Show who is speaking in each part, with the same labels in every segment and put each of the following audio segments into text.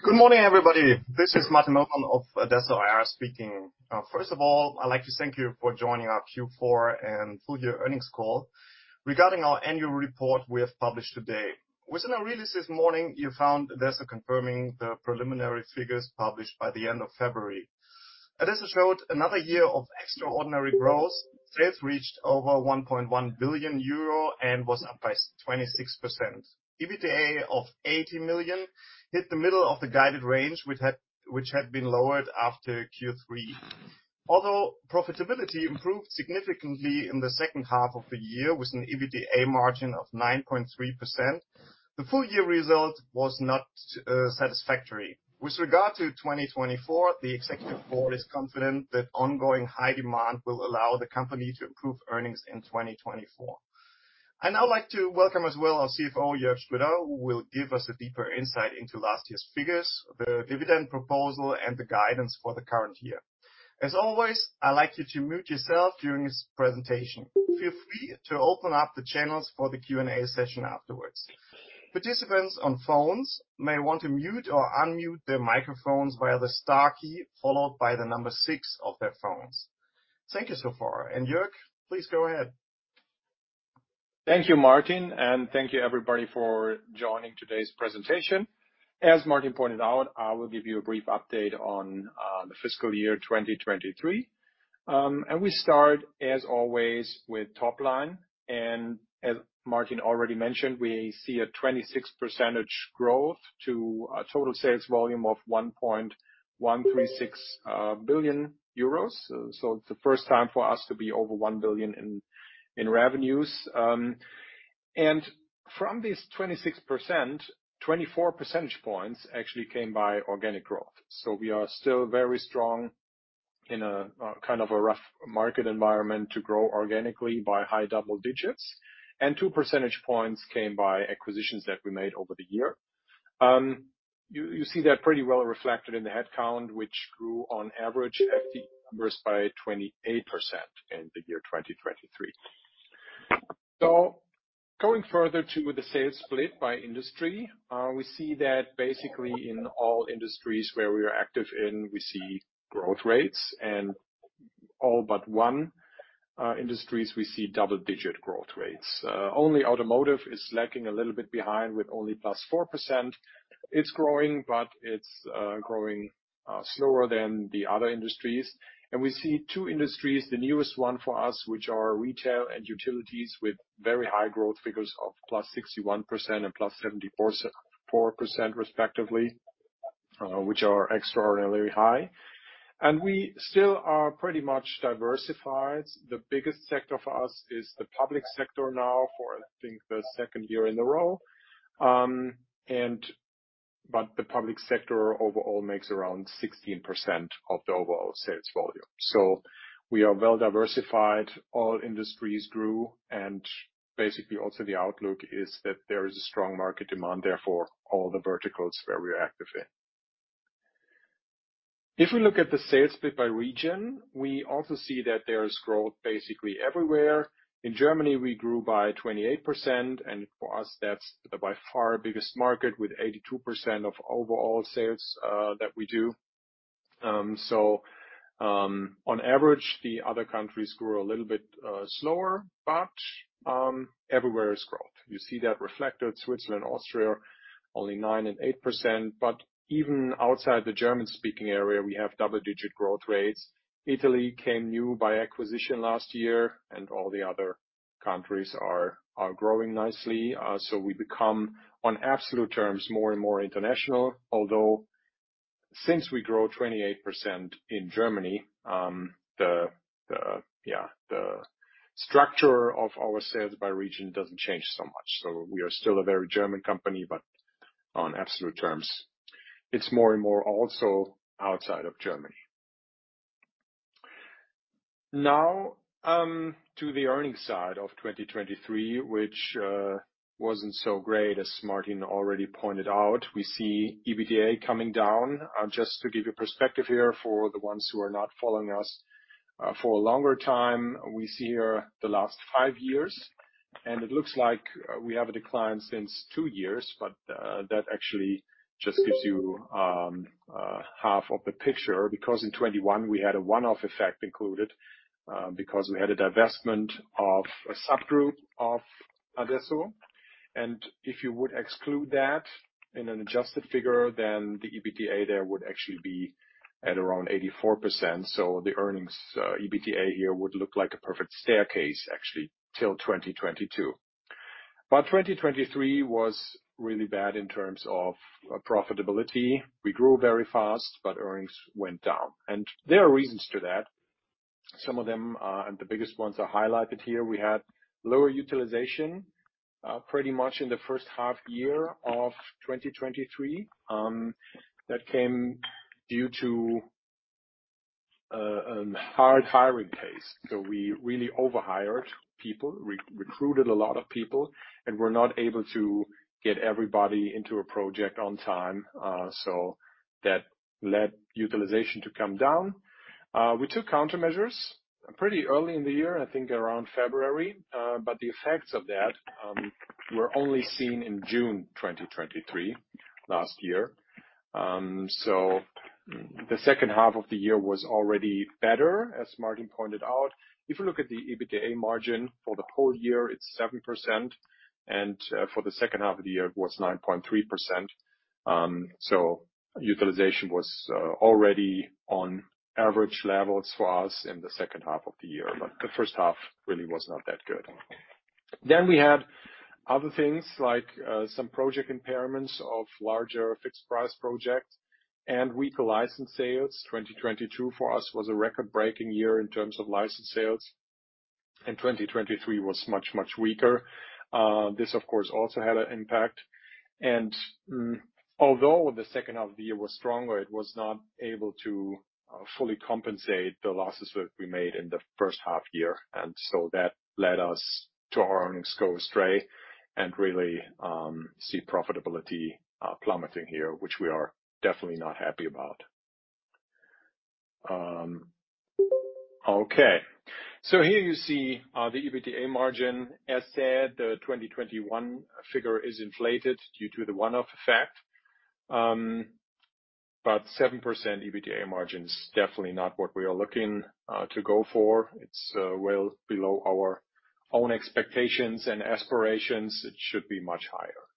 Speaker 1: Good morning, everybody. This is Martin Möllmann of adesso IR speaking. First of all, I'd like to thank you for joining our Q4 and full year earnings call. Regarding our annual report we have published today, within our release this morning, you found adesso confirming the preliminary figures published by the end of February. Adesso showed another year of extraordinary growth. Sales reached over 1.1 billion euro and was up by 26%. EBITDA of 80 million hit the middle of the guided range, which had, which had been lowered after Q3. Although profitability improved significantly in the second half of the year, with an EBITDA margin of 9.3%, the full year result was not satisfactory. With regard to 2024, the executive board is confident that ongoing high demand will allow the company to improve earnings in 2024. I'd now like to welcome as well our CFO, Jörg Schroeder, who will give us a deeper insight into last year's figures, the dividend proposal, and the guidance for the current year. As always, I'd like you to mute yourself during his presentation. Feel free to open up the channels for the Q&A session afterwards. Participants on phones may want to mute or unmute their microphones via the star key, followed by the number six of their phones. Thank you so far, and Jörg, please go ahead.
Speaker 2: Thank you, Martin, and thank you, everybody, for joining today's presentation. As Martin pointed out, I will give you a brief update on the fiscal year 2023. And we start, as always, with top line, and as Martin already mentioned, we see a 26% growth to a total sales volume of 1.136 billion euros. So it's the first time for us to be over 1 billion in revenues. And from this 26%, 24 percentage points actually came by organic growth. So we are still very strong in a kind of a rough market environment to grow organically by high double digits, and 2 percentage points came by acquisitions that we made over the year. You see that pretty well reflected in the headcount, which grew on average, FTE numbers, by 28% in the year 2023. So going further to the sales split by industry, we see that basically in all industries where we are active in, we see growth rates, and all but one industries, we see double-digit growth rates. Only automotive is lagging a little bit behind with only +4%. It's growing, but it's growing slower than the other industries. And we see two industries, the newest one for us, which are retail and utilities, with very high growth figures of +61% and +74.4% respectively, which are extraordinarily high. And we still are pretty much diversified. The biggest sector for us is the public sector now for, I think, the second year in a row. But the public sector overall makes around 16% of the overall sales volume. So we are well diversified. All industries grew, and basically, also the outlook is that there is a strong market demand, therefore, all the verticals where we are active in. If we look at the sales split by region, we also see that there is growth basically everywhere. In Germany, we grew by 28%, and for us, that's the by far biggest market, with 82% of overall sales, that we do. On average, the other countries grew a little bit slower, but everywhere is growth. You see that reflected. Switzerland, Austria, only 9% and 8%, but even outside the German-speaking area, we have double-digit growth rates. Italy came new by acquisition last year, and all the other countries are growing nicely. So we become, on absolute terms, more and more international. Although, since we grow 28% in Germany, the structure of our sales by region doesn't change so much. So we are still a very German company, but on absolute terms, it's more and more also outside of Germany. Now, to the earnings side of 2023, which wasn't so great, as Martin already pointed out. We see EBITDA coming down. Just to give you perspective here, for the ones who are not following us for a longer time, we see here the last five years, and it looks like we have a decline since two years, but that actually just gives you half of the picture, because in 2021, we had a one-off effect included, because we had a divestment of a subgroup of adesso. And if you would exclude that in an adjusted figure, then the EBITDA there would actually be at around 84%. So the earnings, EBITDA here would look like a perfect staircase, actually, till 2022. But 2023 was really bad in terms of profitability. We grew very fast, but earnings went down, and there are reasons to that. Some of them, and the biggest ones are highlighted here. We had lower utilization, pretty much in the first half year of 2023. That came due to hard hiring pace. So we really overhired people, recruited a lot of people, and were not able to get everybody into a project on time, so that led utilization to come down. We took countermeasures... Pretty early in the year, I think around February, but the effects of that were only seen in June 2023, last year. So the second half of the year was already better, as Martin pointed out. If you look at the EBITDA margin for the whole year, it's 7%, and for the second half of the year, it was 9.3%. So utilization was already on average levels for us in the second half of the year, but the first half really was not that good. Then we had other things like some project impairments of larger fixed price projects and weaker license sales. 2022 for us was a record-breaking year in terms of license sales, and 2023 was much, much weaker. This, of course, also had an impact, and although the second half of the year was stronger, it was not able to fully compensate the losses that we made in the first half year, and so that led us to our earnings go astray and really see profitability plummeting here, which we are definitely not happy about. Okay, so here you see the EBITDA margin. As said, the 2021 figure is inflated due to the one-off effect. But 7% EBITDA margin is definitely not what we are looking to go for. It's well below our own expectations and aspirations. It should be much higher.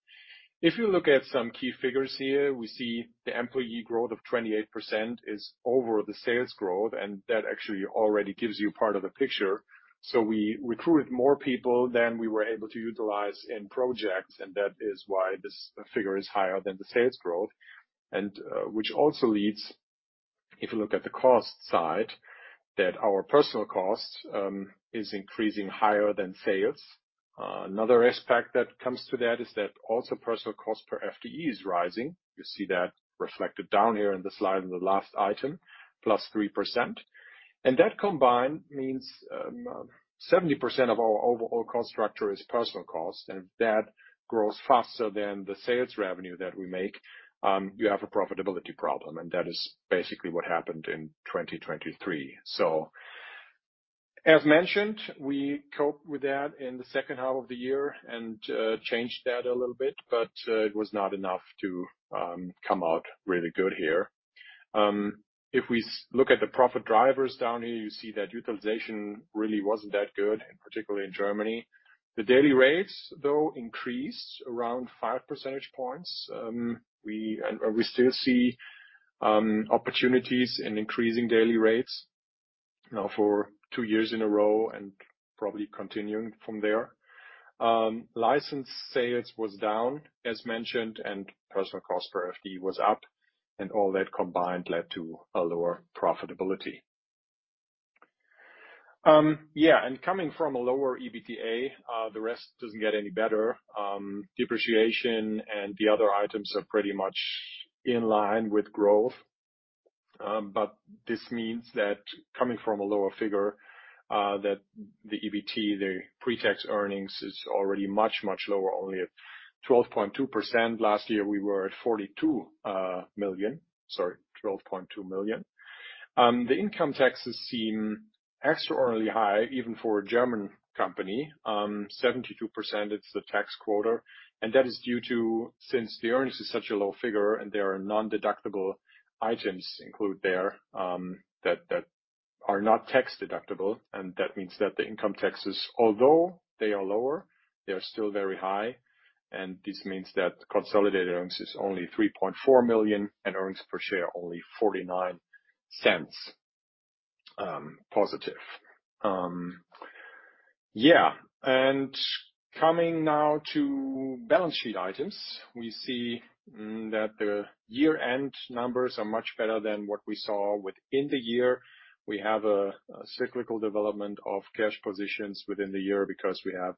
Speaker 2: If you look at some key figures here, we see the employee growth of 28% is over the sales growth, and that actually already gives you part of the picture. So we recruited more people than we were able to utilize in projects, and that is why this figure is higher than the sales growth, and which also leads, if you look at the cost side, that our personnel cost is increasing higher than sales. Another aspect that comes to that is that also personnel cost per FTE is rising. You see that reflected down here in the slide in the last item, +3%. And that combined means, 70% of our overall cost structure is personnel cost, and if that grows faster than the sales revenue that we make, you have a profitability problem, and that is basically what happened in 2023. So as mentioned, we coped with that in the second half of the year and changed that a little bit, but it was not enough to come out really good here. If we look at the profit drivers down here, you see that utilization really wasn't that good, and particularly in Germany. The daily rates, though, increased around 5 percentage points. We and we still see opportunities in increasing daily rates, now for 2 years in a row and probably continuing from there. License sales was down, as mentioned, and personal cost per FTE was up, and all that combined led to a lower profitability. Yeah, and coming from a lower EBITDA, the rest doesn't get any better. Depreciation and the other items are pretty much in line with growth, but this means that coming from a lower figure, that the EBT, the pre-tax earnings, is already much, much lower, only at 12.2%. Last year, we were at 42 million, sorry, 12.2 million. The income taxes seem extraordinarily high, even for a German company. 72%, it's the tax quota, and that is due to, since the earnings is such a low figure and there are non-deductible items included there, that are not tax-deductible, and that means that the income taxes, although they are lower, they are still very high, and this means that consolidated earnings is only 3.4 million, and earnings per share, only 0.49, positive. Yeah, and coming now to balance sheet items, we see that the year-end numbers are much better than what we saw within the year. We have a cyclical development of cash positions within the year because we have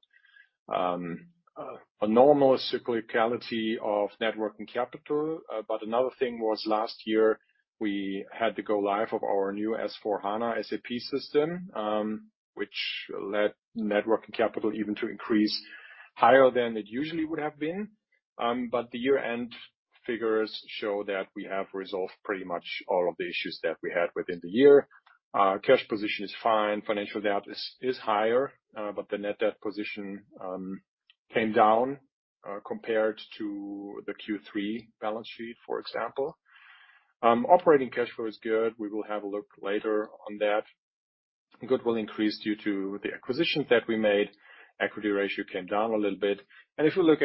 Speaker 2: a normal cyclicality of net working capital. But another thing was last year, we had to go live of our new S/4HANA SAP system, which led net working capital even to increase higher than it usually would have been. But the year-end figures show that we have resolved pretty much all of the issues that we had within the year. Our cash position is fine, financial debt is higher, but the net debt position came down compared to the Q3 balance sheet, for example. Operating cash flow is good. We will have a look later on that. Goodwill increased due to the acquisitions that we made. Equity ratio came down a little bit. And if you look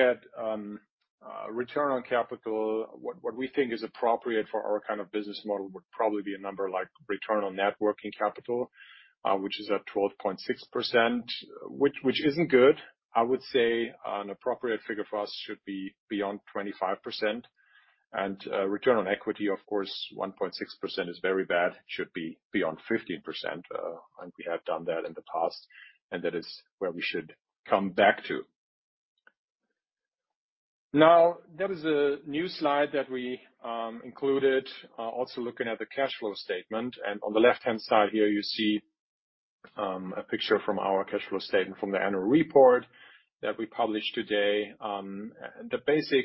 Speaker 2: at return on capital, what we think is appropriate for our kind of business model would probably be a number like return on net working capital, which is at 12.6%, which isn't good. I would say an appropriate figure for us should be beyond 25%. And return on equity, of course, 1.6% is very bad, should be beyond 15%, and we have done that in the past, and that is where we should come back to. Now, there is a new slide that we included, also looking at the cash flow statement, and on the left-hand side here, you see a picture from our cash flow statement from the annual report that we published today. The basic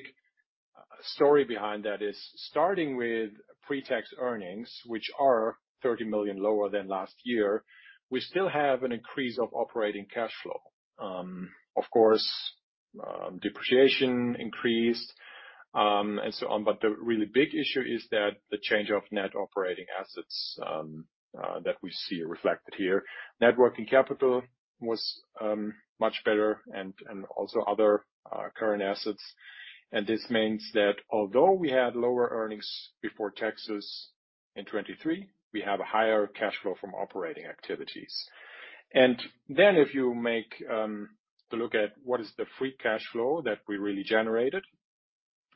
Speaker 2: story behind that is starting with pre-tax earnings, which are 30 million lower than last year, we still have an increase of operating cash flow. Of course, depreciation increased, and so on, but the really big issue is that the change of net operating assets that we see reflected here. Net working capital was much better and also other current assets. And this means that although we had lower earnings before taxes in 2023, we have a higher cash flow from operating activities. If you make to look at what is the free cash flow that we really generated,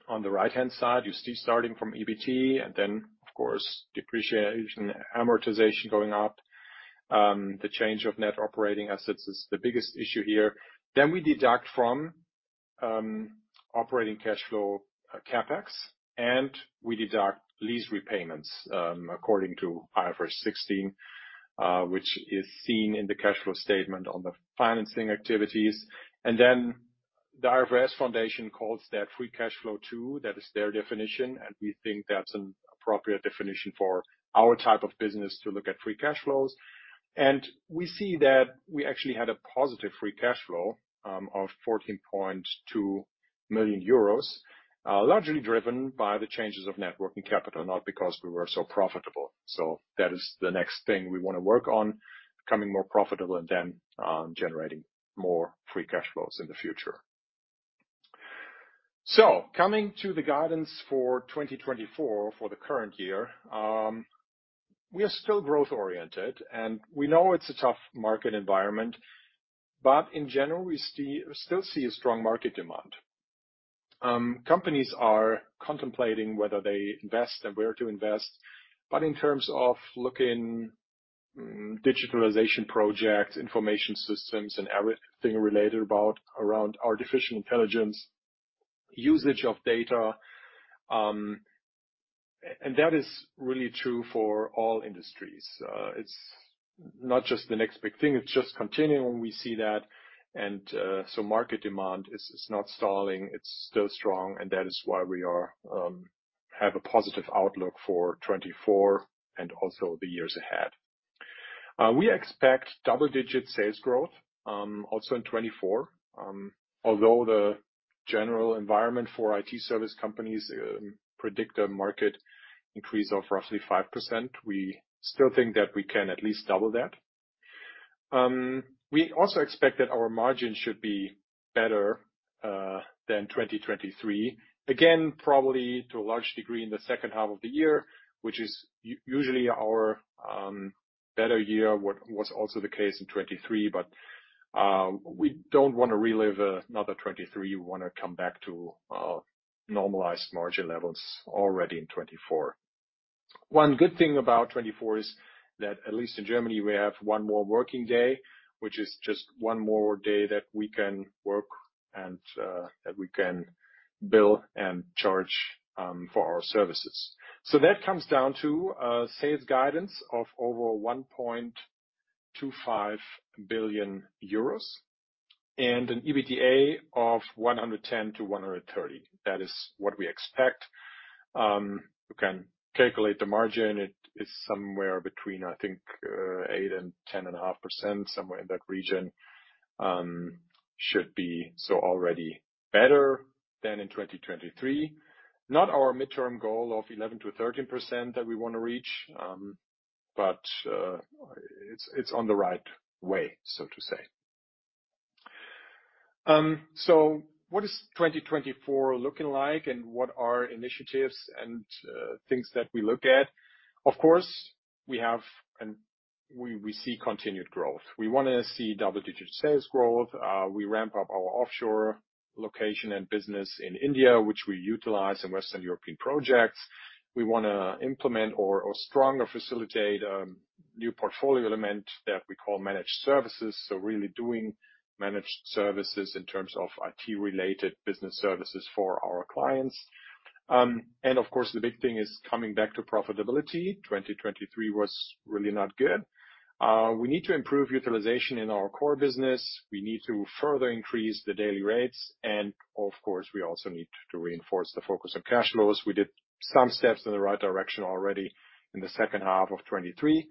Speaker 2: on the right-hand side, you see starting from EBT, and then, of course, depreciation, amortization going up. The change of net operating assets is the biggest issue here. Then we deduct from operating cash flow, CapEx, and we deduct lease repayments according to IFRS 16, which is seen in the cash flow statement on the financing activities. And then the IFRS Foundation calls that free cash flow, too. That is their definition, and we think that's an appropriate definition for our type of business to look at free cash flows. And we see that we actually had a positive free cash flow of 14.2 million euros, largely driven by the changes of net working capital, not because we were so profitable. So that is the next thing we wanna work on, becoming more profitable and then generating more free cash flows in the future. So coming to the guidance for 2024, for the current year, we are still growth-oriented, and we know it's a tough market environment, but in general, we still see a strong market demand. Companies are contemplating whether they invest and where to invest, but in terms of looking, digitalization projects, information systems, and everything related around artificial intelligence, usage of data, and that is really true for all industries. It's not just the next big thing, it's just continuing. We see that, and so market demand is not stalling. It's still strong, and that is why we have a positive outlook for 2024 and also the years ahead. We expect double-digit sales growth also in 2024. Although the general environment for IT service companies predict a market increase of roughly 5%, we still think that we can at least double that. We also expect that our margin should be better than 2023. Again, probably to a large degree in the second half of the year, which is usually our better year, what was also the case in 2023. But we don't wanna relive another 2023. We wanna come back to normalized margin levels already in 2024. One good thing about 2024 is that, at least in Germany, we have one more working day, which is just one more day that we can work and that we can bill and charge for our services. That comes down to a sales guidance of over 1.25 billion euros and an EBITDA of 110 million-130 million. That is what we expect. You can calculate the margin. It is somewhere between, I think, 8%-10.5%, somewhere in that region. Should be so already better than in 2023. Not our midterm goal of 11%-13% that we wanna reach, but, it's, it's on the right way, so to say. So what is 2024 looking like, and what are initiatives and, things that we look at? Of course, we have and we, we see continued growth. We wanna see double-digit sales growth. We ramp up our offshore location and business in India, which we utilize in Western European projects. We wanna implement stronger facilitate new portfolio element that we call managed services, so really doing managed services in terms of IT-related business services for our clients. And, of course, the big thing is coming back to profitability. 2023 was really not good. We need to improve utilization in our core business. We need to further increase the daily rates, and of course, we also need to reinforce the focus on cash flows. We did some steps in the right direction already in the second half of 2023,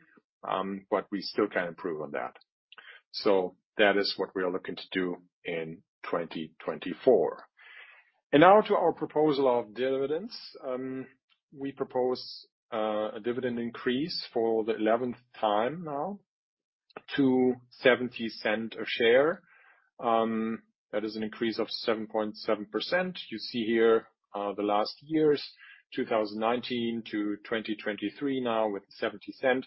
Speaker 2: but we still can improve on that. So that is what we are looking to do in 2024. And now to our proposal of dividends. We propose a dividend increase for the 11th time now to 0.70 a share. That is an increase of 7.7%. You see here, the last years, 2019 to 2023 now with 0.70.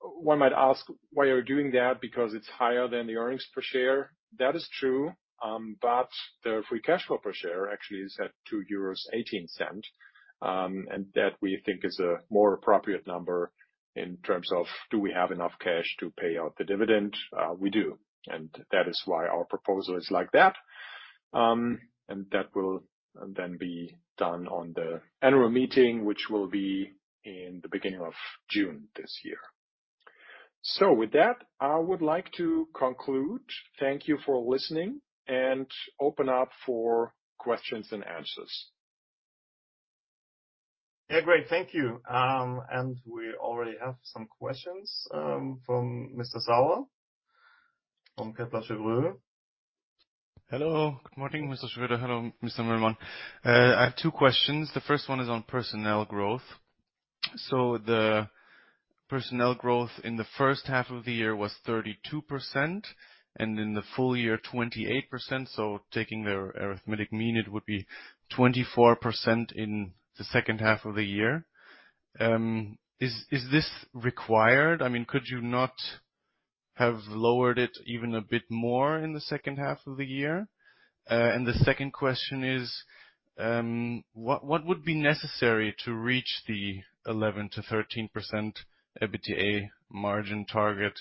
Speaker 2: One might ask: Why you're doing that? Because it's higher than the earnings per share. That is true, but the free cash flow per share actually is at 2.18 euros, and that we think is a more appropriate number in terms of do we have enough cash to pay out the dividend? We do, and that is why our proposal is like that. That will then be done on the annual meeting, which will be in the beginning of June this year. So with that, I would like to conclude. Thank you for listening, and open up for questions and answers.
Speaker 1: Yeah, great. Thank you. And we already have some questions from Mr. Sauer from Kepler Cheuvreux.
Speaker 3: Hello, good morning, Mr. Schroeder. Hello, Mr. Möllmann. I have two questions. The first one is on personnel growth. So the personnel growth in the first half of the year was 32%, and in the full year, 28%. So taking the arithmetic mean, it would be 24% in the second half of the year. Is, is this required? I mean, could you not have lowered it even a bit more in the second half of the year? And the second question is, what, what would be necessary to reach the 11%-13% EBITDA margin target?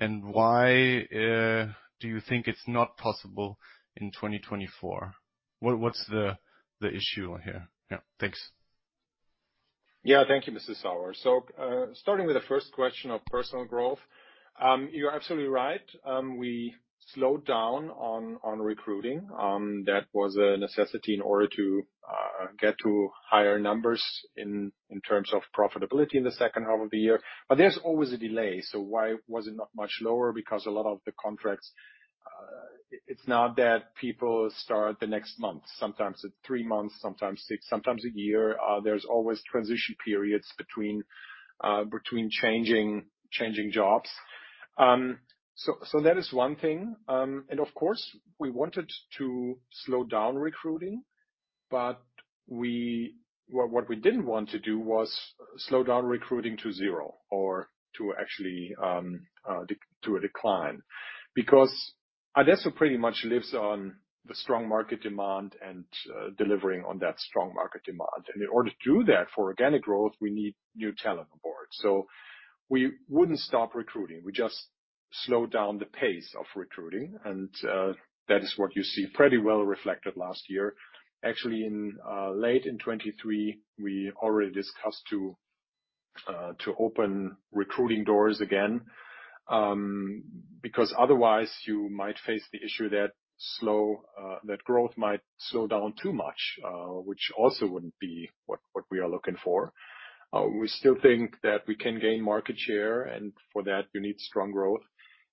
Speaker 3: And why, do you think it's not possible in 2024? What, what's the, the issue here? Yeah. Thanks.
Speaker 2: Yeah. Thank you, Mr. Sauer. So, starting with the first question of personnel growth, you're absolutely right. We slowed down on recruiting. That was a necessity in order to get to higher numbers in terms of profitability in the second half of the year. But there's always a delay, so why was it not much lower? Because a lot of the contracts, it's not that people start the next month, sometimes it's three months, sometimes six, sometimes a year. There's always transition periods between changing jobs. So that is one thing. And of course, we wanted to slow down recruiting, but what we didn't want to do was slow down recruiting to zero or to actually to a decline. Because adesso pretty much lives on the strong market demand and delivering on that strong market demand. And in order to do that, for organic growth, we need new talent on board. So we wouldn't stop recruiting. We just slow down the pace of recruiting, and that is what you see pretty well reflected last year. Actually, in late 2023, we already discussed to open recruiting doors again, because otherwise you might face the issue that growth might slow down too much, which also wouldn't be what, what we are looking for. We still think that we can gain market share, and for that, we need strong growth.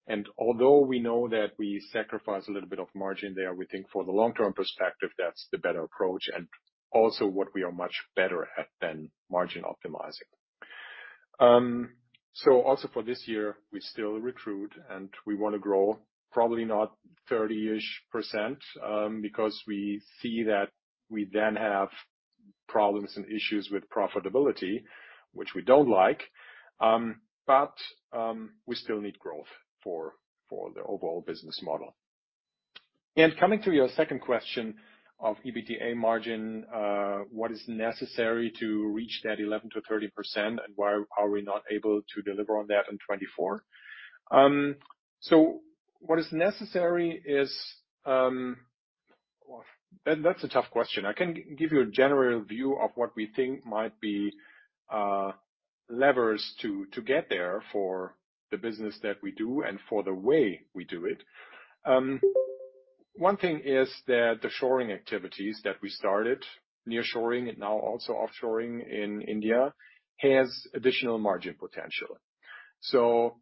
Speaker 2: And although we know that we sacrifice a little bit of margin there, we think for the long-term perspective, that's the better approach and also what we are much better at than margin optimizing. So also for this year, we still recruit, and we wanna grow, probably not 30-ish%, because we see that we then have problems and issues with profitability, which we don't like. But, we still need growth for, for the overall business model. And coming to your second question of EBITDA margin, what is necessary to reach that 11%-13%, and why are we not able to deliver on that in 2024? So what is necessary is... well, that, that's a tough question. I can give you a general view of what we think might be levers to get there for the business that we do and for the way we do it. One thing is that the shoring activities that we started, nearshoring and now also offshoring in India, has additional margin potential. So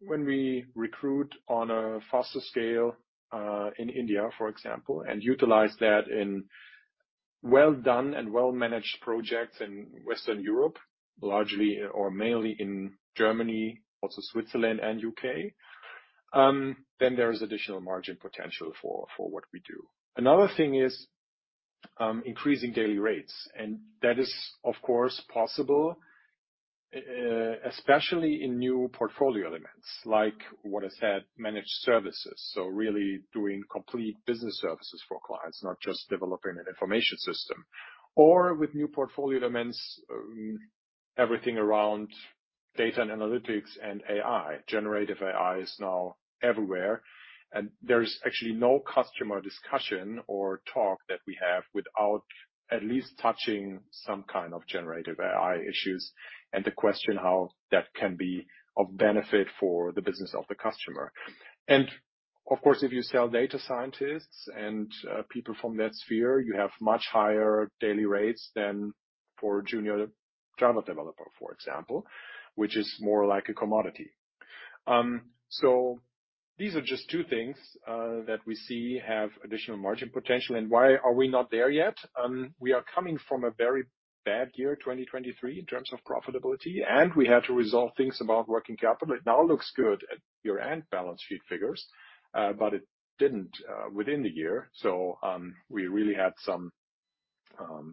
Speaker 2: when we recruit on a faster scale in India, for example, and utilize that in well done and well-managed projects in Western Europe, largely or mainly in Germany, also Switzerland and U.K., then there is additional margin potential for what we do. Another thing is increasing daily rates, and that is, of course, possible, especially in new portfolio elements, like what I said, managed services. So really doing complete business services for clients, not just developing an information system. Or with new portfolio elements, everything around data and analytics and AI. Generative AI is now everywhere, and there is actually no customer discussion or talk that we have without at least touching some kind of generative AI issues, and the question how that can be of benefit for the business of the customer. And of course, if you sell data scientists and people from that sphere, you have much higher daily rates than for a junior Java developer, for example, which is more like a commodity. So these are just two things that we see have additional margin potential. And why are we not there yet? We are coming from a very bad year, 2023, in terms of profitability, and we had to resolve things about working capital. It now looks good at year-end balance sheet figures, but it didn't within the year. So, we really had some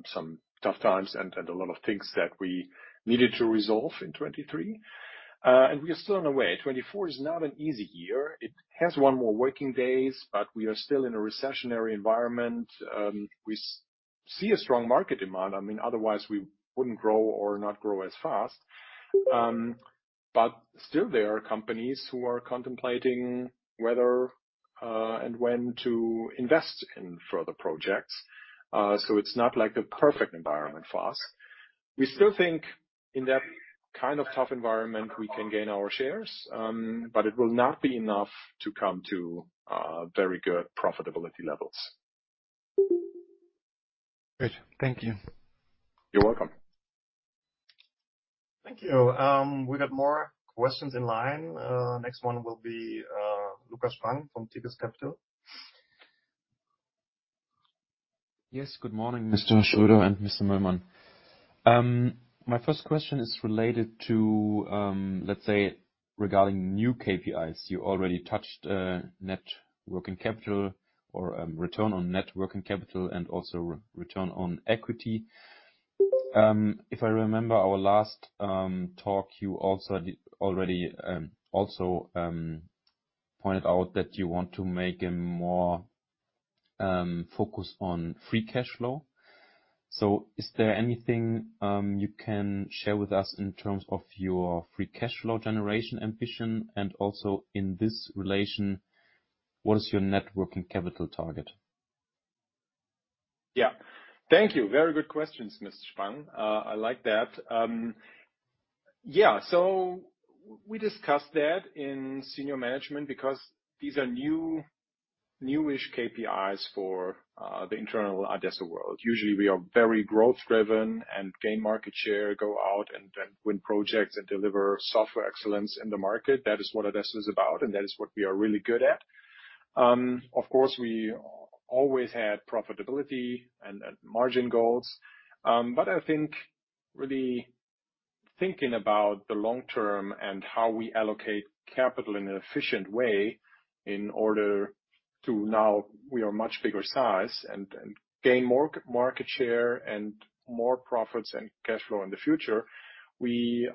Speaker 2: some tough times and, and a lot of things that we needed to resolve in 2023. And we are still on our way. 2024 is not an easy year. It has one more working days, but we are still in a recessionary environment. We see a strong market demand. I mean, otherwise we wouldn't grow or not grow as fast. But still, there are companies who are contemplating whether and when to invest in further projects. So, it's not like the perfect environment for us. We still think in that kind of tough environment, we can gain our shares, but it will not be enough to come to very good profitability levels.
Speaker 3: Great. Thank you.
Speaker 2: You're welcome.
Speaker 1: Thank you. We got more questions in line. Next one will be Lukas Spang from Tigris Capital.
Speaker 4: Yes, good morning, Mr. Schroeder and Mr. Möllmann. My first question is related to, let's say, regarding new KPIs. You already touched net working capital or return on net working capital and also return on equity. If I remember our last talk, you also already pointed out that you want to make a more focus on free cash flow. So is there anything you can share with us in terms of your free cash flow generation ambition? And also in this relation, what is your net working capital target?
Speaker 2: Yeah. Thank you. Very good questions, Mr. Spang. I like that. Yeah, so we discussed that in senior management because these are new, newish KPIs for the internal adesso world. Usually, we are very growth driven and gain market share, go out and win projects, and deliver software excellence in the market. That is what adesso is about, and that is what we are really good at. Of course, we always had profitability and margin goals, but I think really thinking about the long term and how we allocate capital in an efficient way in order to now we are much bigger size and gain more market share and more profits and cash flow in the future, we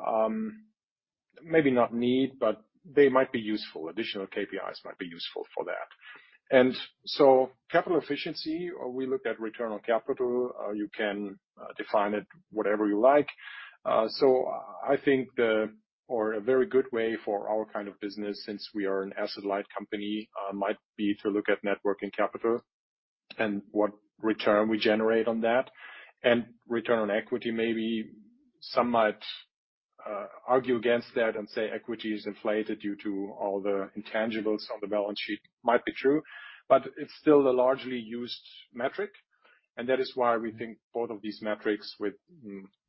Speaker 2: maybe not need, but they might be useful. Additional KPIs might be useful for that. Capital efficiency, or we looked at return on capital, you can define it whatever you like. So I think, or a very good way for our kind of business, since we are an asset-light company, might be to look at net working capital and what return we generate on that, and return on equity. Maybe some might argue against that and say equity is inflated due to all the intangibles on the balance sheet. Might be true, but it's still a largely used metric, and that is why we think both of these metrics, with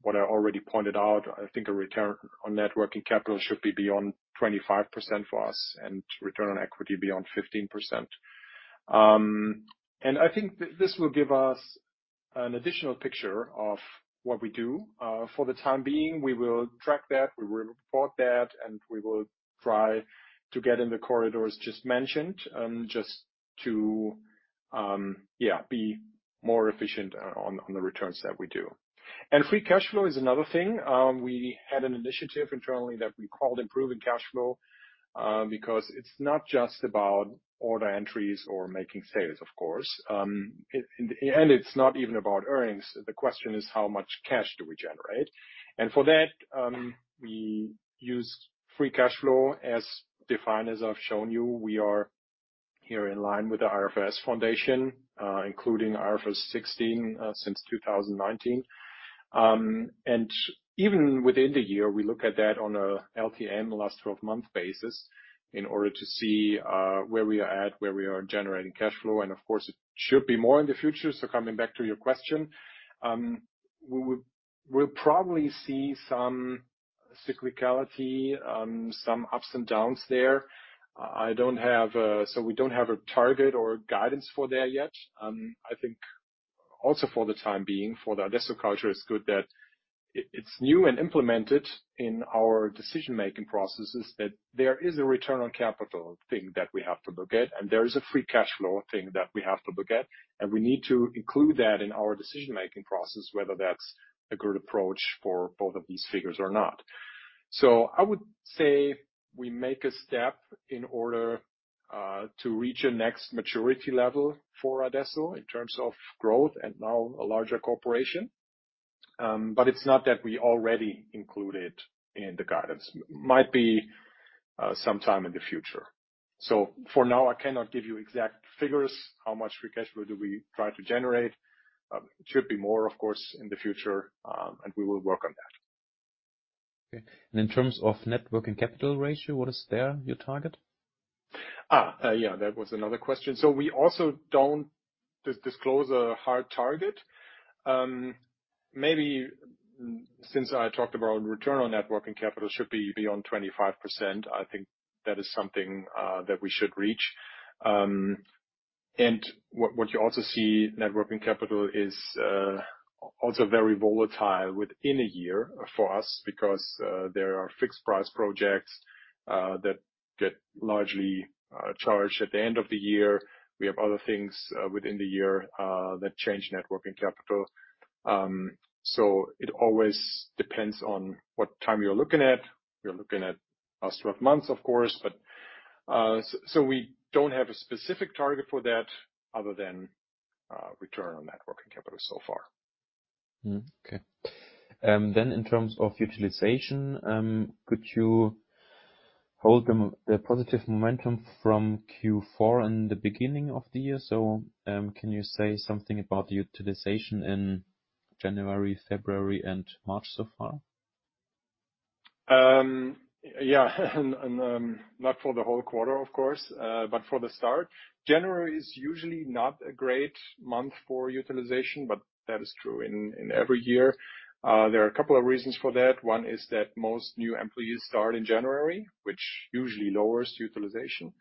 Speaker 2: what I already pointed out, I think a return on net working capital should be beyond 25% for us, and return on equity beyond 15%. And I think this will give us an additional picture of what we do. For the time being, we will track that, we will report that, and we will try to get in the corridors just mentioned, just to be more efficient on the returns that we do. And free cash flow is another thing. We had an initiative internally that we called improving cash flow, because it's not just about order entries or making sales, of course. In the end, it's not even about earnings. The question is: how much cash do we generate? And for that, we use free cash flow as defined, as I've shown you. We are here in line with the IFRS foundation, including IFRS 16, since 2019. Even within the year, we look at that on a LTM, last twelve-month basis, in order to see where we are at, where we are generating cash flow, and of course, it should be more in the future. So coming back to your question, we'll probably see some cyclicality, some ups and downs there. I don't have... So we don't have a target or guidance for there yet. I think also for the time being, for the adesso culture, it's good that it's new and implemented in our decision-making processes, that there is a return on capital thing that we have to look at, and there is a free cash flow thing that we have to look at, and we need to include that in our decision-making process, whether that's a good approach for both of these figures or not. I would say we make a step in order to reach a next maturity level for adesso in terms of growth and now a larger corporation, but it's not that we already include it in the guidance. Might be sometime in the future. So for now, I cannot give you exact figures, how much free cash flow do we try to generate. It should be more, of course, in the future, and we will work on that.
Speaker 4: Okay. In terms of Net Working Capital ratio, what is there, your target?
Speaker 2: That was another question. So we also don't disclose a hard target. Maybe since I talked about Return on Net Working Capital should be beyond 25%, I think that is something that we should reach. And what you also see, Net Working Capital is also very volatile within a year for us, because there are fixed price projects that get largely charged at the end of the year. We have other things within the year that change Net Working Capital. So it always depends on what time you're looking at. You're looking at last twelve months, of course, but so we don't have a specific target for that other than Return on Net Working Capital so far....
Speaker 4: Mm-hmm. Okay. Then in terms of utilization, could you hold the, the positive momentum from Q4 in the beginning of the year? So, can you say something about the utilization in January, February, and March so far?
Speaker 2: Yeah, and not for the whole quarter, of course, but for the start. January is usually not a great month for utilization, but that is true in every year. There are a couple of reasons for that. One is that most new employees start in January, which usually lowers utilization.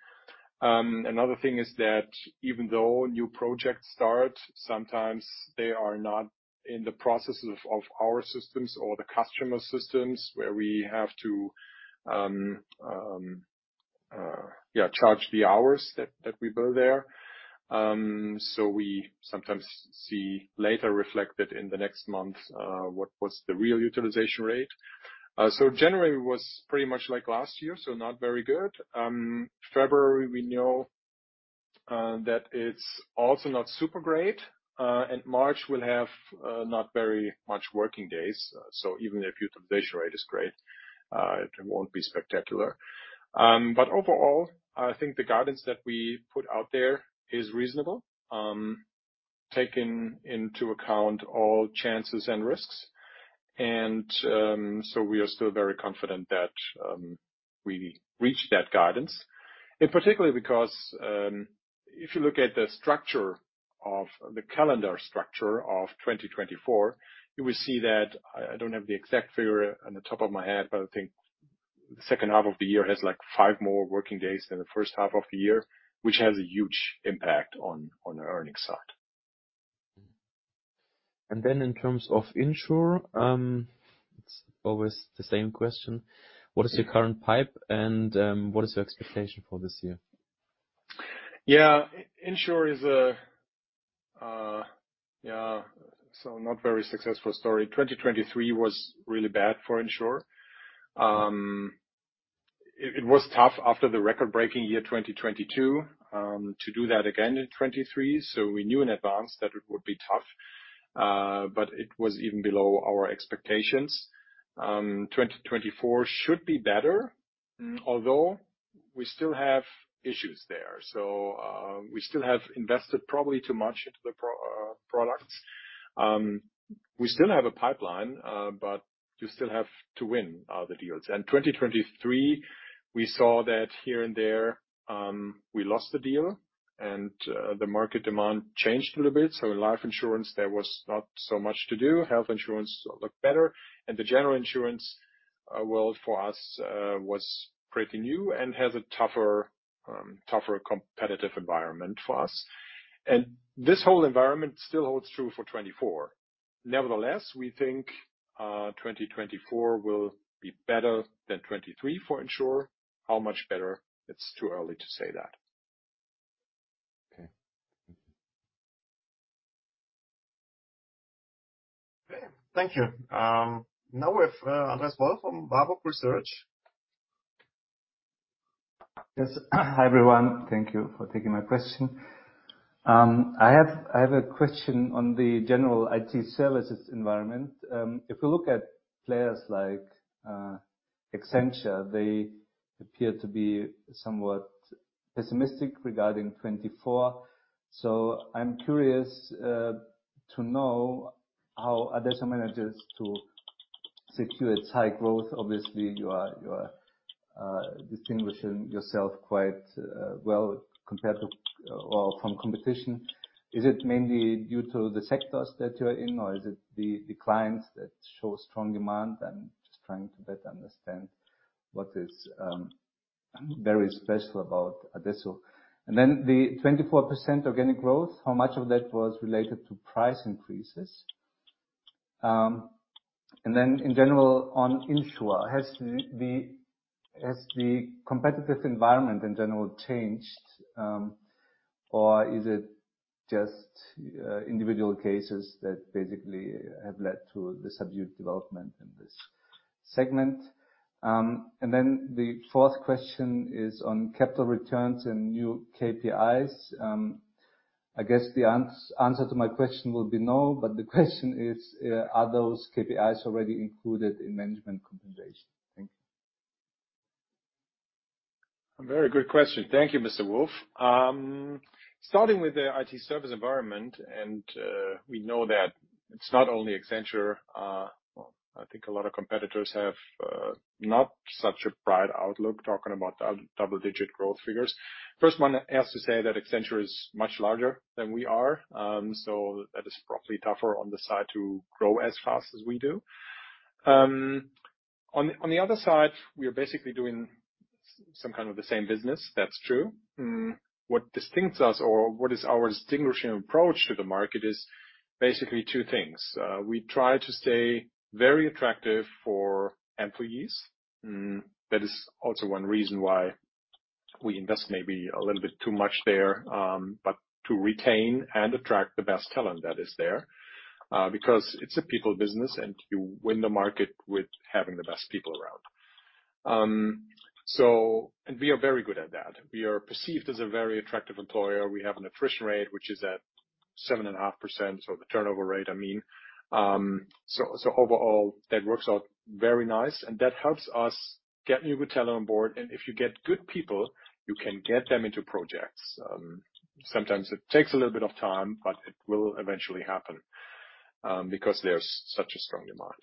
Speaker 2: Another thing is that even though new projects start, sometimes they are not in the processes of our systems or the customer systems, where we have to yeah, charge the hours that we bill there. So we sometimes see later reflected in the next month what was the real utilization rate. So January was pretty much like last year, so not very good. February, we know, that it's also not super great. And March will have not very much working days, so even if utilization rate is great, it won't be spectacular. But overall, I think the guidance that we put out there is reasonable, taking into account all chances and risks. And so we are still very confident that we reach that guidance, and particularly because if you look at the structure of the calendar structure of 2024, you will see that I don't have the exact figure on the top of my head, but I think the second half of the year has, like, five more working days than the first half of the year, which has a huge impact on the earnings side.
Speaker 4: Then, in terms of in|sure, it's always the same question: What is your current pipe, and what is your expectation for this year?
Speaker 2: Yeah, in|sure is a, yeah, so not very successful story. 2023 was really bad for in|sure. It was tough after the record-breaking year, 2022, to do that again in 2023, so we knew in advance that it would be tough, but it was even below our expectations. 2024 should be better, although we still have issues there. So, we still have invested probably too much into the products. We still have a pipeline, but you still have to win the deals. In 2023, we saw that here and there, we lost a deal, and the market demand changed a little bit. So in life insurance, there was not so much to do. Health insurance looked better, and the general insurance world for us was pretty new and has a tougher competitive environment for us. This whole environment still holds true for 2024. Nevertheless, we think 2024 will be better than 2023 for in|sure. How much better? It's too early to say that.
Speaker 4: Mm-hmm.
Speaker 1: Okay. Thank you. Now we have, Andreas Wolf from Warburg Research.
Speaker 5: Yes. Hi, everyone. Thank you for taking my question. I have a question on the general IT services environment. If you look at players like Accenture, they appear to be somewhat pessimistic regarding 2024. So I'm curious to know how adesso manages to secure its high growth. Obviously, you are distinguishing yourself quite well compared to or from competition. Is it mainly due to the sectors that you're in, or is it the clients that show strong demand? I'm just trying to better understand what is very special about adesso. And then the 24% organic growth, how much of that was related to price increases? And then, in general, on in|sure, has the competitive environment in general changed, or is it just individual cases that basically have led to the subdued development in this segment? And then the fourth question is on capital returns and new KPIs. I guess the answer to my question will be no, but the question is, are those KPIs already included in management compensation? Thank you.
Speaker 2: A very good question. Thank you, Mr. Wolf. Starting with the IT service environment, and we know that it's not only Accenture. Well, I think a lot of competitors have not such a bright outlook, talking about double-digit growth figures. First, one has to say that Accenture is much larger than we are, so that is probably tougher on the side to grow as fast as we do. On the other side, we are basically doing some kind of the same business, that's true. What distinguishes us or what is our distinguishing approach to the market is basically two things. We try to stay very attractive for employees. That is also one reason why we invest maybe a little bit too much there, but to retain and attract the best talent that is there, because it's a people business, and you win the market with having the best people around. So and we are very good at that. We are perceived as a very attractive employer. We have an attrition rate, which is at 7.5%, so the turnover rate, I mean. So, so overall, that works out very nice, and that helps us get new talent on board. And if you get good people, you can get them into projects. Sometimes it takes a little bit of time, but it will eventually happen, because there's such a strong demand.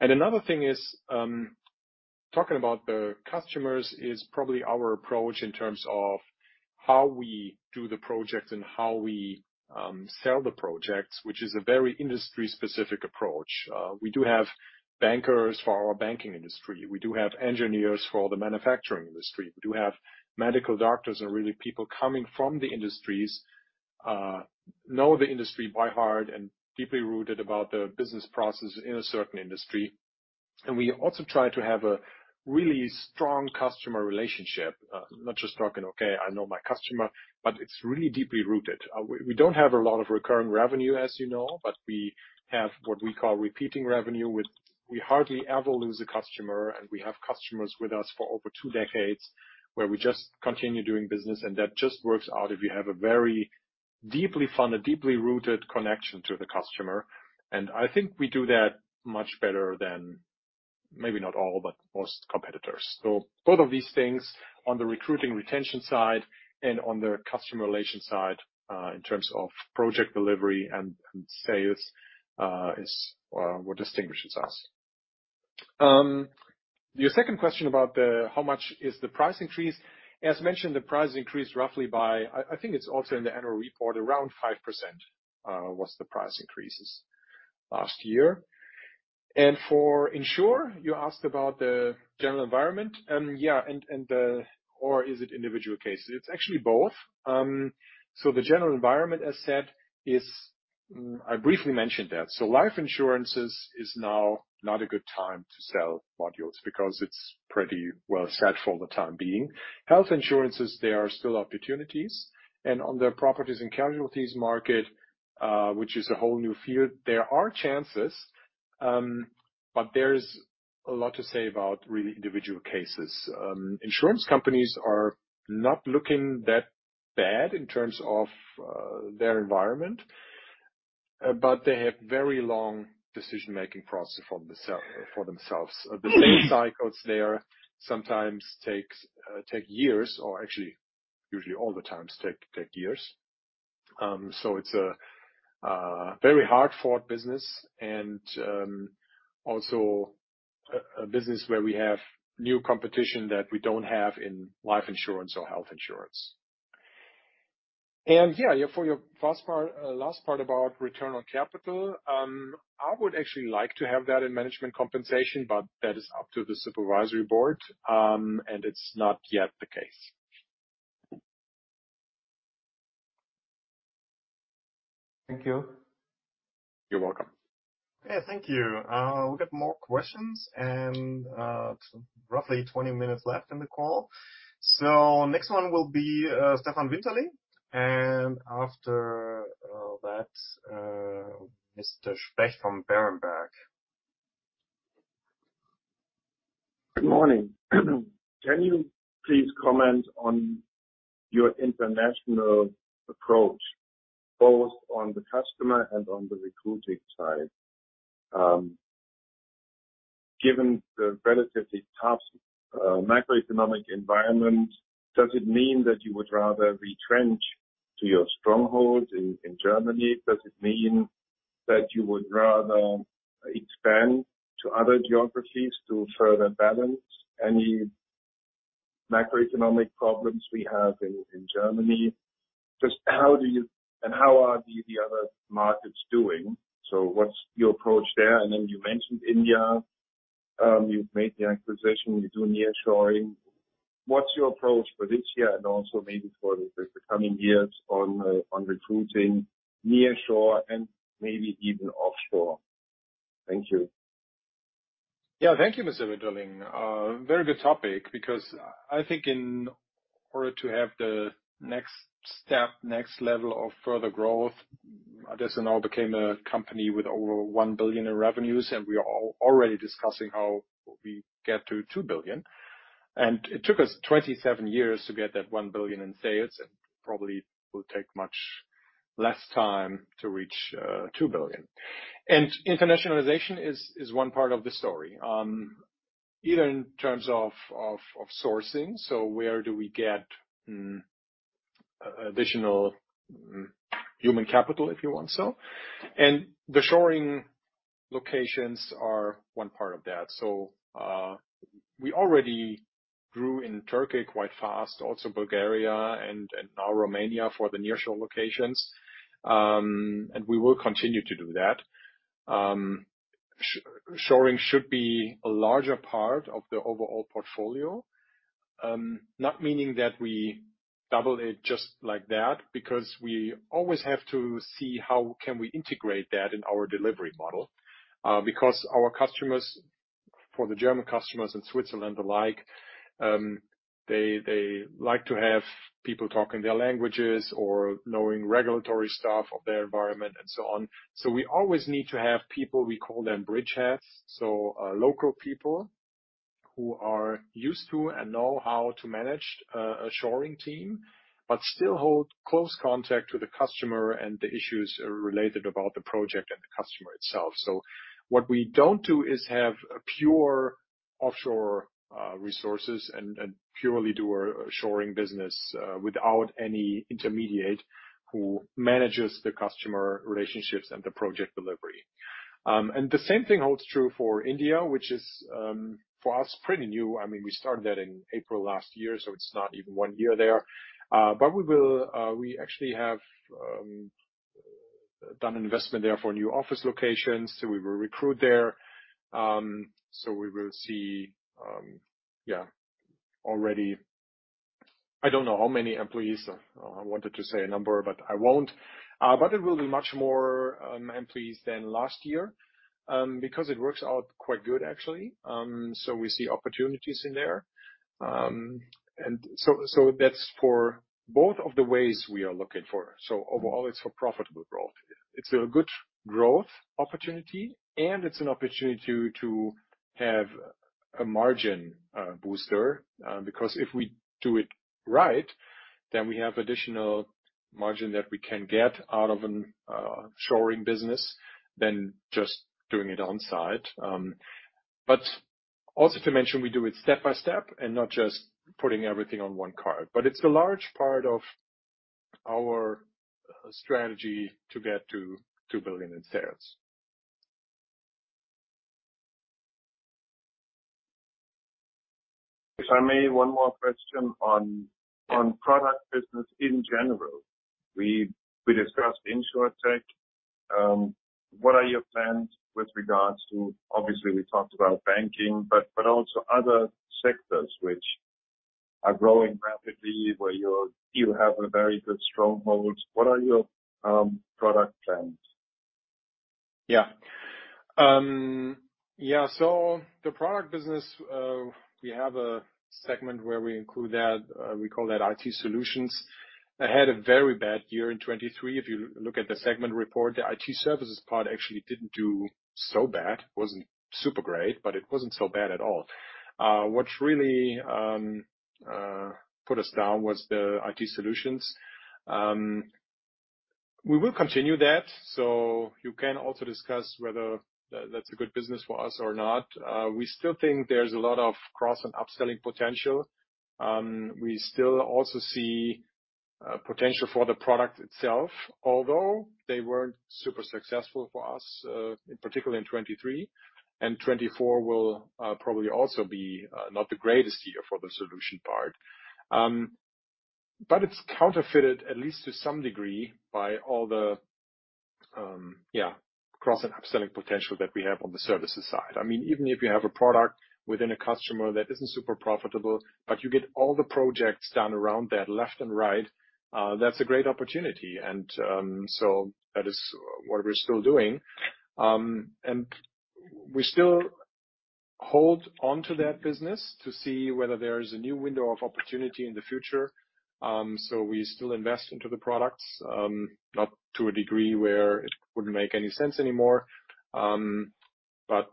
Speaker 2: And another thing is talking about the customers is probably our approach in terms of how we do the projects and how we sell the projects, which is a very industry-specific approach. We do have bankers for our banking industry. We do have engineers for the manufacturing industry. We do have medical doctors and really, people coming from the industries know the industry by heart and deeply rooted about the business process in a certain industry. And we also try to have a really strong customer relationship, not just talking, okay, I know my customer, but it's really deeply rooted. We don't have a lot of recurring revenue, as you know, but we have what we call repeating revenue, with... We hardly ever lose a customer, and we have customers with us for over two decades, where we just continue doing business, and that just works out if you have a very deeply funded, deeply rooted connection to the customer. And I think we do that much better than maybe not all, but most competitors. So both of these things, on the recruiting, retention side and on the customer relation side, in terms of project delivery and, and sales, is what distinguishes us. Your second question about the, how much is the price increase? As mentioned, the price increased roughly by, I think it's also in the annual report, around 5%, was the price increases last year. And for in|sure, you asked about the general environment, yeah, and, and, or is it individual cases? It's actually both. So the general environment, as said, is. I briefly mentioned that. So life insurances is now not a good time to sell modules because it's pretty well set for the time being. Health insurances, there are still opportunities, and on the properties and casualties market, which is a whole new field, there are chances, but there's a lot to say about really individual cases. Insurance companies are not looking that bad in terms of their environment, but they have very long decision-making process for themselves. The same cycles there sometimes take years, or actually, usually all the times take years. So it's a very hard-fought business and also a business where we have new competition that we don't have in life insurance or health insurance. Yeah, yeah, for your first part, last part about Return on Capital, I would actually like to have that in management compensation, but that is up to the Supervisory Board, and it's not yet the case.
Speaker 5: Thank you.
Speaker 2: You're welcome.
Speaker 1: Yeah, thank you. We got more questions and, roughly 20 minutes left in the call. So next one will be, Stefan Winterling, and after that, Mr. Specht from Berenberg.
Speaker 6: Good morning. Can you please comment on your international approach, both on the customer and on the recruiting side? Given the relatively tough macroeconomic environment, does it mean that you would rather retrench to your strongholds in Germany? Does it mean that you would rather expand to other geographies to further balance any macroeconomic problems we have in Germany? Just how do you... And how are the other markets doing? So what's your approach there? And then you mentioned India. You've made the acquisition, you're doing nearshoring. What's your approach for this year and also maybe for the coming years on recruiting nearshore and maybe even offshore? Thank you.
Speaker 2: Yeah. Thank you, Mr. Winterling. Very good topic, because I think in order to have the next step, next level of further growth, adesso now became a company with over 1 billion in revenues, and we are already discussing how we get to 2 billion. It took us 27 years to get that 1 billion in sales, and probably it will take much less time to reach two billion. Internationalization is one part of the story, either in terms of of sourcing, so where do we get additional human capital, if you want so? The shoring locations are one part of that. So, we already grew in Turkey quite fast, also Bulgaria and now Romania for the nearshore locations. And we will continue to do that. Shoring should be a larger part of the overall portfolio, not meaning that we double it just like that, because we always have to see how can we integrate that in our delivery model. Because our customers, for the German customers and Switzerland alike, they like to have people talking their languages or knowing regulatory stuff of their environment and so on. So we always need to have people, we call them bridgeheads, so local people who are used to and know how to manage a shoring team, but still hold close contact with the customer and the issues related about the project and the customer itself. So what we don't do is have a pure offshore resources and purely do our shoring business without any intermediate who manages the customer relationships and the project delivery. The same thing holds true for India, which is, for us, pretty new. I mean, we started that in April last year, so it's not even one year there. But we will, we actually have, done an investment there for new office locations, so we will recruit there. So we will see, yeah, already... I don't know how many employees. I wanted to say a number, but I won't. But it will be much more, employees than last year, because it works out quite good, actually. So we see opportunities in there. And so, so that's for both of the ways we are looking for. So overall, it's for profitable growth. It's a good growth opportunity, and it's an opportunity to, to have a margin booster. Because if we do it right, then we have additional margin that we can get out of an offshoring business than just doing it on-site. But also to mention, we do it step by step and not just putting everything on one card. It's a large part of our strategy to get to 2 billion in sales.
Speaker 6: If I may, one more question on product business in general. We discussed in|sure Tech. What are your plans with regards to, obviously, we talked about banking, but also other sectors which are growing rapidly, where you have a very good, strong hold. What are your product plans?
Speaker 2: Yeah. Yeah, so the product business, we have a segment where we include that. We call that IT solutions. It had a very bad year in 2023. If you look at the segment report, the IT services part actually didn't do so bad. It wasn't super great, but it wasn't so bad at all. What really put us down was the IT solutions. We will continue that, so you can also discuss whether that's a good business for us or not. We still think there's a lot of cross and upselling potential. We still also see potential for the product itself, although they weren't super successful for us, particularly in 2023, and 2024 will probably also be not the greatest year for the solution part. But it's counteracted, at least to some degree, by all the cross and upselling potential that we have on the services side. I mean, even if you have a product within a customer that isn't super profitable, but you get all the projects done around that left and right, that's a great opportunity. And so that is what we're still doing. And we still hold onto that business to see whether there is a new window of opportunity in the future. So we still invest into the products, not to a degree where it wouldn't make any sense anymore. But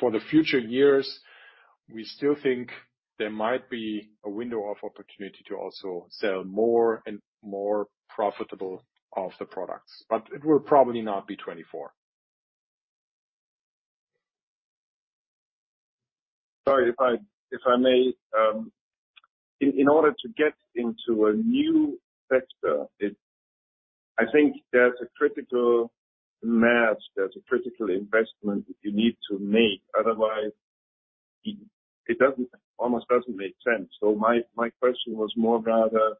Speaker 2: for the future years, we still think there might be a window of opportunity to also sell more and more profitable of the products, but it will probably not be 2024.
Speaker 6: Sorry, if I may, in order to get into a new sector, it—I think there's a critical mass, there's a critical investment that you need to make. Otherwise, it almost doesn't make sense. So my question was more rather,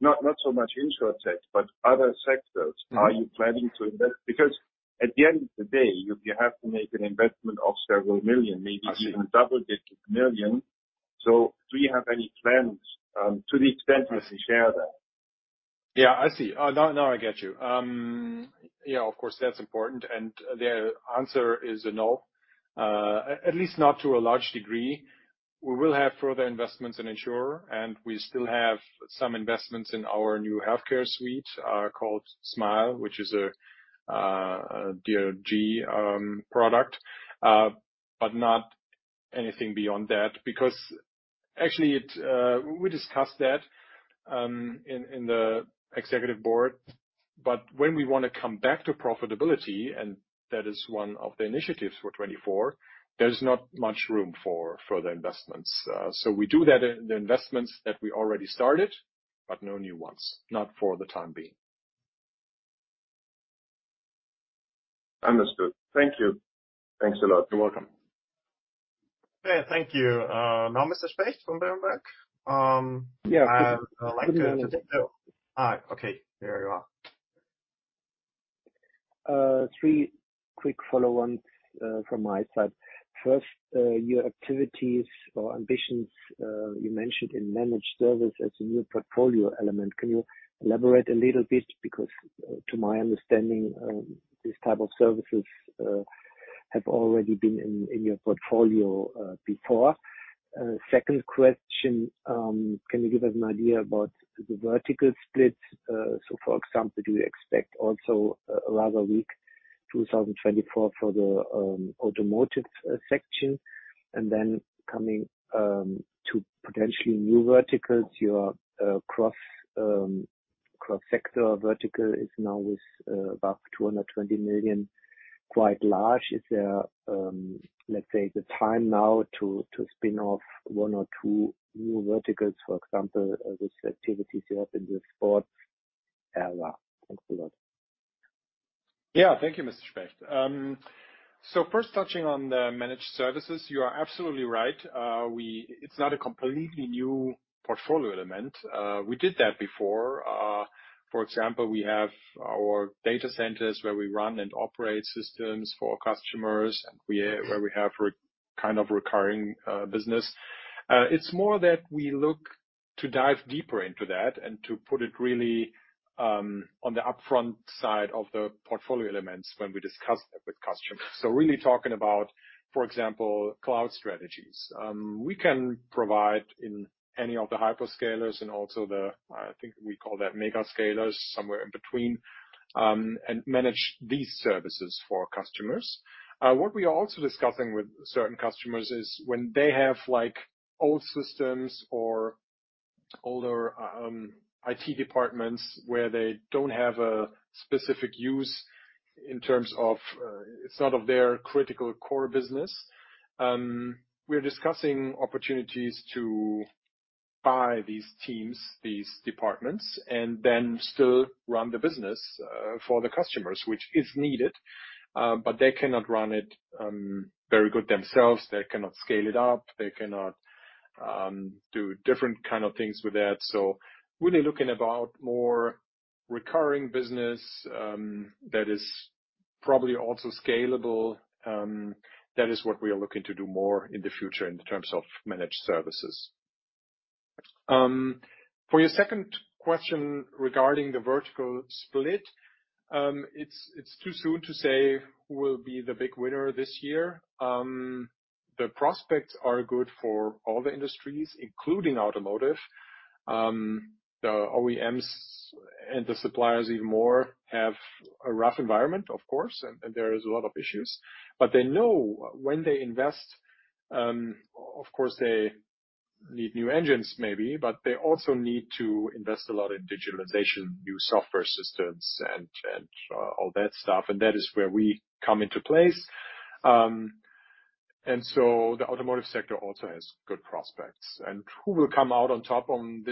Speaker 6: not so much in|sure tech, but other sectors.
Speaker 2: Mm-hmm.
Speaker 6: Are you planning to invest? Because at the end of the day, you have to make an investment of several million, maybe even double-digit million. So do you have any plans, to the extent you can share there?
Speaker 2: Yeah, I see. Now, now I get you. Yeah, of course, that's important, and the answer is no. At least not to a large degree. We will have further investments in in|sure, and we still have some investments in our new healthcare suite, called smile, which is a DRG product, but not anything beyond that, because actually, it... we discussed that, in the executive board. But when we want to come back to profitability, and that is one of the initiatives for 2024, there's not much room for further investments. So we do that, the investments that we already started, but no new ones, not for the time being.
Speaker 6: Understood. Thank you. Thanks a lot.
Speaker 2: You're welcome.
Speaker 1: Okay, thank you. Now, Mr. Specht from Berenberg. I would like to-
Speaker 7: Yeah.
Speaker 1: All right. Okay, there you are.
Speaker 7: Three quick follow-on from my side. First, your activities or ambitions you mentioned in managed service as a new portfolio element. Can you elaborate a little bit? Because to my understanding, this type of services have already been in your portfolio before? Second question, can you give us an idea about the vertical split? So for example, do you expect also a rather weak 2024 for the automotive section? And then coming to potentially new verticals, your cross-sector vertical is now with about 220 million, quite large. Is there, let's say, the time now to spin off one or two new verticals, for example, with activities you have in the sport area? Thanks a lot.
Speaker 2: Yeah. Thank you, Mr. Specht. So first touching on the managed services, you are absolutely right. It's not a completely new portfolio element. We did that before. For example, we have our data centers where we run and operate systems for customers, and where we have kind of recurring business. It's more that we look to dive deeper into that and to put it really on the upfront side of the portfolio elements when we discuss it with customers. So really talking about, for example, cloud strategies. We can provide in any of the hyperscalers and also the, I think we call that megascalers, somewhere in between, and manage these services for customers. What we are also discussing with certain customers is when they have, like, old systems or older IT departments, where they don't have a specific use in terms of... It's not of their critical core business. We're discussing opportunities to buy these teams, these departments, and then still run the business for the customers, which is needed, but they cannot run it very good themselves. They cannot scale it up. They cannot do different kind of things with that. So really looking about more recurring business that is probably also scalable. That is what we are looking to do more in the future in terms of managed services. For your second question regarding the vertical split, it's too soon to say who will be the big winner this year. The prospects are good for all the industries, including automotive. The OEMs and the suppliers even more have a rough environment, of course, and there is a lot of issues. But they know when they invest, of course, they need new engines maybe, but they also need to invest a lot in digitalization, new software systems, and all that stuff, and that is where we come into place. And so the automotive sector also has good prospects, and who will come out on top in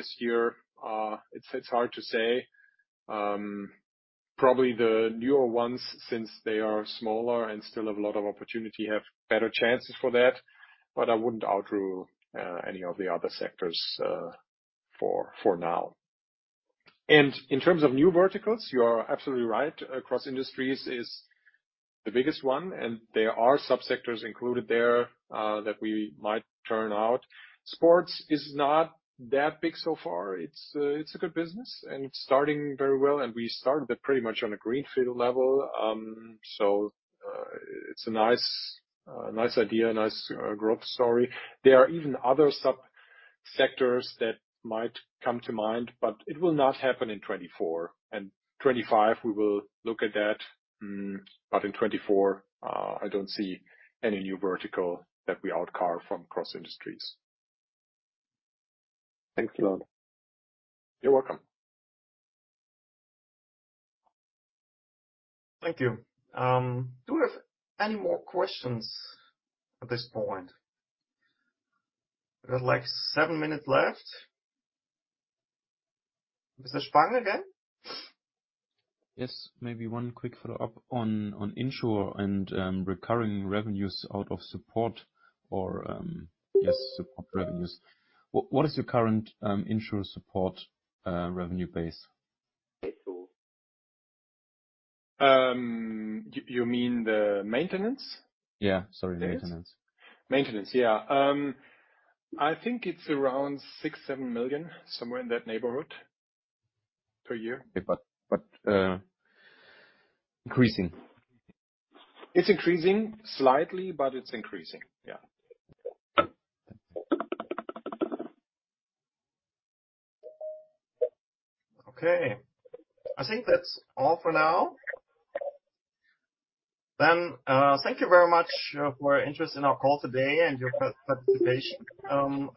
Speaker 2: this year? It's hard to say. Probably the newer ones, since they are smaller and still have a lot of opportunity, have better chances for that, but I wouldn't rule out any of the other sectors for now. And in terms of new verticals, you are absolutely right. Across industries is the biggest one, and there are subsectors included there, that we might turn out. Sports is not that big so far. It's, it's a good business, and it's starting very well, and we started it pretty much on a greenfield level. So, it's a nice, nice idea, a nice, growth story. There are even other subsectors that might come to mind, but it will not happen in 2024. In 2025, we will look at that, but in 2024, I don't see any new vertical that we outcarve from cross industries.
Speaker 7: Thanks a lot.
Speaker 2: You're welcome.
Speaker 1: Thank you. Do we have any more questions at this point? We've got, like, seven minutes left. Mr. Spang again?
Speaker 4: Yes, maybe one quick follow-up on in|sure and recurring revenues out of support or yes, support revenues. What is your current in|sure support revenue base?
Speaker 2: You mean the maintenance?
Speaker 4: Yeah, sorry, maintenance.
Speaker 2: Maintenance, yeah. I think it's around 6 million-7 million, somewhere in that neighborhood, per year.
Speaker 4: But increasing?
Speaker 2: It's increasing. Slightly, but it's increasing, yeah.
Speaker 1: Okay. I think that's all for now. Thank you very much for your interest in our call today and your participation.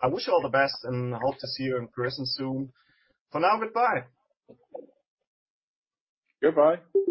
Speaker 1: I wish you all the best and hope to see you in person soon. For now, goodbye.
Speaker 2: Goodbye.